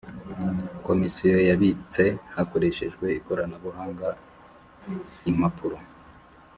Komisiyo yabitse hakoreshejwe ikoranabuhanga impapuro